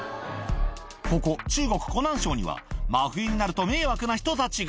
ここ、中国・湖南省には、真冬になると、迷惑な人たちが。